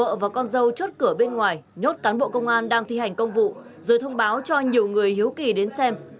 đồng thời yêu cầu vợ và con dâu chốt cửa bên ngoài nhốt cán bộ công an đang thi hành công vụ rồi thông báo cho nhiều người hiếu kỳ đến xem